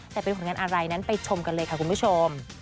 แต่เป็นผลงานอะไรนั้นไปชมกันเลยค่ะคุณผู้ชม